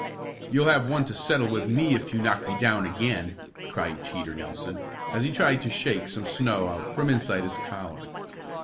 "You'll have one to settle with me if you knock me down again!" cried Teeter Nelson, as he tried to shake some snow out from inside his collar.